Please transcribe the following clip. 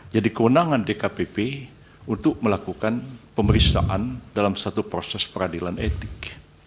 jadi keunangan dkpp untuk melakukan pemerintahan dalam satu proses peradilan etik